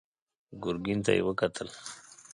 ګرګين ته يې وکتل.